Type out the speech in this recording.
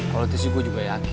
kalau tissi gue juga yakin